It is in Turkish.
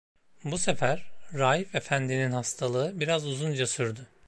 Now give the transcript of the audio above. Bu sefer Raif efendinin hastalığı biraz uzunca sürdü.